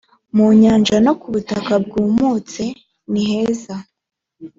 mu nyanja no ku butaka bwumutse niheza